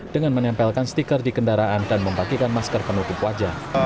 dengan menempelkan stiker di kendaraan dan membagikan masker penutup wajah